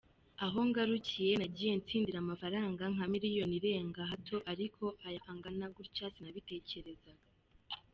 Aho ngarukiye nagiye ntsindira amafaranga nka miliyoni irenga hato ariko aya angana gutya sinabitekerezaga.